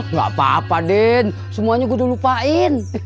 gak apa apa din semuanya gue udah lupain